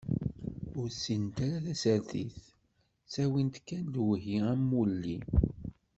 Ur ssinent ara tasertit, ttawin-t kan lewhi am wulli.